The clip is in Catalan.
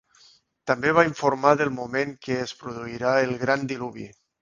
També va informar del moment que es produirà el gran diluvi.